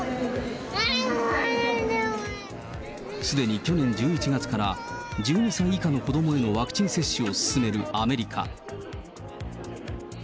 すでに去年１１月から、１２歳以下の子どもへのワクチン接種を進めるアメリカ。